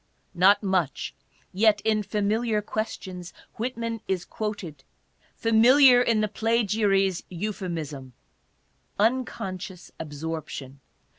Not much yet in "Familiar Quotations," Whitman is quoted, familiar in the plagiary's euphemism —" unconscious absorption."